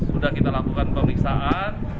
sudah kita lakukan pemeriksaan